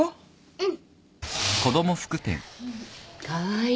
うん。